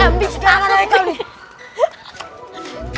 ambil sedangkan aikal nih